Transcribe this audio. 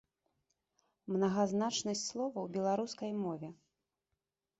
Мнагазначнасць слова ў беларускай мове.